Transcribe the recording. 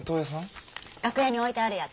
楽屋に置いてあるやつ。